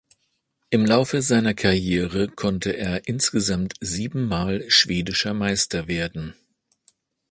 Im Laufe seiner Karriere konnte er insgesamt sieben Mal schwedischer Meister werden.